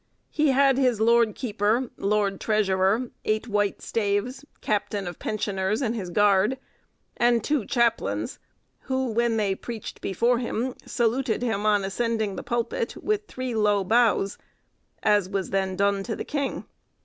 He had his lord keeper, lord treasurer, eight white staves, captain of pensioners and his guard, and two chaplains, who, when they preached before him, saluted him on ascending the pulpit with three low bows, as was then done to the king.